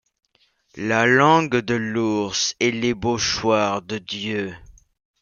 La langue de l’ours est l’ébauchoir de Dieu.